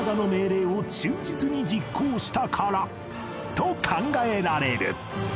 と考えられる